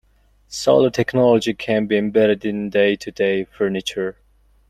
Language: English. Solar technology can be embedded in day to day furniture.